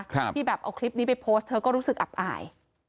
ที่แบบเอาคลิปนี้ไปโพสต์เธอก็รู้สึกอับอาย